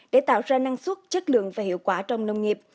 để tạo ra năng suất chất lượng và hiệu quả trong nông nghiệp